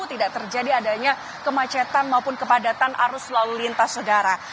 tidak terjadi adanya kemacetan maupun kepadatan arus lalu lintas udara